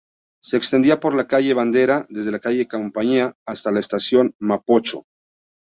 Se extendía por la calle Bandera, desde la calle Compañía hasta la Estación Mapocho.